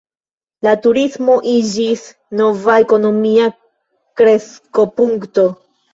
La turismo iĝis nova ekonomia kreskopunkto.